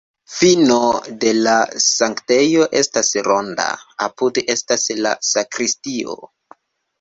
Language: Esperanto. Fino de la sanktejo estas ronda, apude estas la sakristio.